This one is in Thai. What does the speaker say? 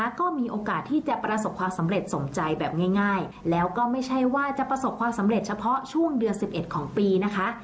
ก็มีโอกาสที่จะประสบความสำเร็จสมใจแบบง่ายแล้วก็ไม่ใช่ว่าจะประสบความสำเร็จเฉพาะช่วงเดือน๑๑ของปีนะคะ